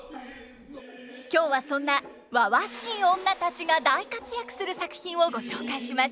今日はそんなわわしい女たちが大活躍する作品をご紹介します。